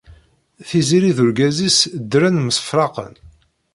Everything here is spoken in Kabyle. Tiziri d urgaz-is ddren msefraqen.